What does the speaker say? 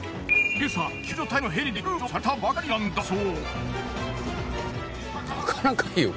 今朝救助隊のヘリで救助されたばかりなんだそう。